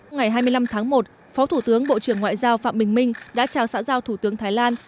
ngày hai mươi năm tháng một phó thủ tướng bộ trưởng ngoại giao phạm bình minh đã chào xã giao thủ tướng thái lan